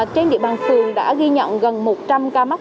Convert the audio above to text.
trên địa bàn phường đã ghi nhận gần một trăm linh ca mắc